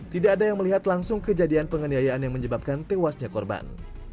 tidak ada yang melihat langsung kejadian penganiayaan yang menyebabkan tewasnya korban